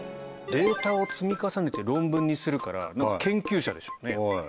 データを積み重ねて論文にするから研究者でしょうねやっぱり。